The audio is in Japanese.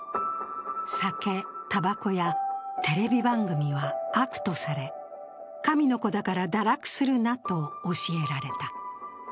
酒・たばこやテレビ番組は悪とされ神の子だから堕落するなと教えられた。